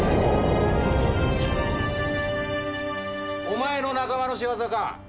お前の仲間の仕業か？